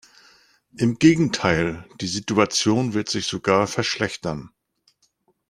Im Gegenteil, die Situation wird sich sogar verschlechtern.